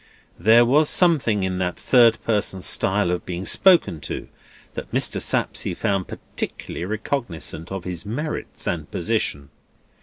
There was something in that third person style of being spoken to, that Mr. Sapsea found particularly recognisant of his merits and position.